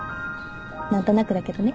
何となくだけどね。